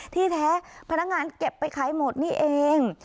ที่แท้พนักงานเก็บไปขายหมดนี่เอง